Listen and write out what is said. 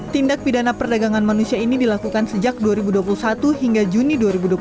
tindak pidana perdagangan manusia ini dilakukan sejak dua ribu dua puluh satu hingga juni dua ribu dua puluh satu